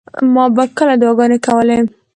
ما به کله دعاګانې کولې.